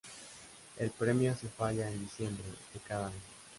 El premio se falla en diciembre de cada año.